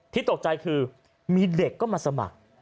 ที่ตกใจคือมีเด็กก็มาสมัคร